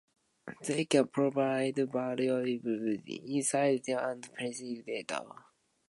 They can provide valuable insights and perspectives that the initiators may not have considered.